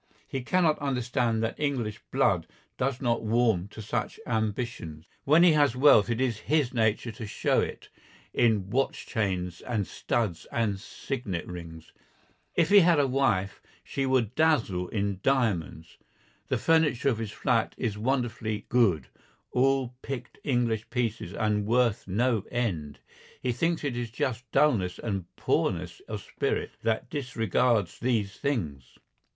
He cannot understand that English blood does not warm to such ambitions. When he has wealth it is his nature to show it in watch chains and studs and signet rings; if he had a wife she would dazzle in diamonds; the furniture of his flat is wonderfully "good," all picked English pieces and worth no end; he thinks it is just dulness and poorness of spirit that disregards these things.